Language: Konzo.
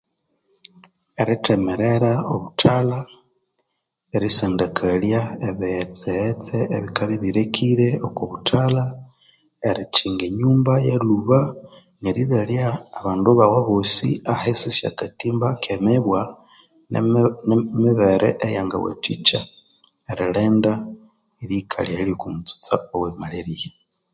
Erithemere obuthalha erisandakalya ebighetse ghetse abikabya bilekire okubuthalha ,eritkyinga enyumba yalhuba nerilarya abandu baghu abosi ahisi syakatimba kemibwaa nemibere yerilinda erihika lyaghe okubulhwere bwe Malaria